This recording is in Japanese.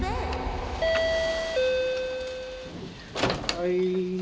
はい。